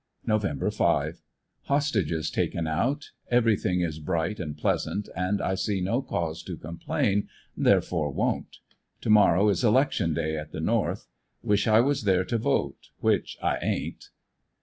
Nov 5 — Hostages taken out Everything is bright and pleasant and I see no cause to complain, therefore won't. To morrow is 112 ANDEB80NYILLE DIARY. election day at the North; wish I was there to vote — which I ain't.